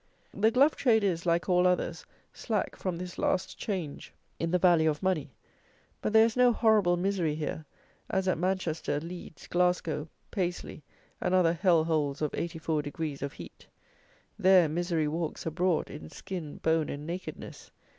The glove trade is, like all others, slack from this last change in the value of money; but there is no horrible misery here, as at Manchester, Leeds, Glasgow, Paisley, and other Hell Holes of 84 degrees of heat. There misery walks abroad in skin, bone and nakedness.